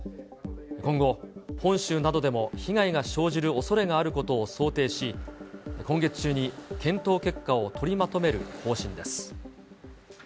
今後、本州などでも被害が生じるおそれがあることを想定し、今月中に検討結果を取りまとめる方針です。